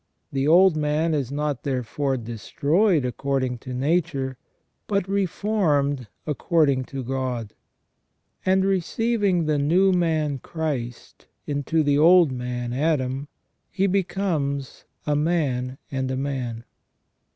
The old man is not therefore destroyed according to nature, but reformed according to God; and receiving the new man Christ into the old man Adam, he becomes a man and a man.